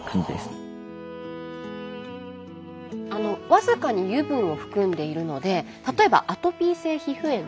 僅かに油分を含んでいるので例えばアトピー性皮膚炎。